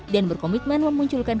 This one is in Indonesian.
dan berkomitmen memunculkan